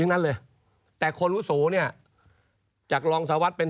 ครับ๓กลุ่มนี้เขาบอกมาอย่างนั้นนะ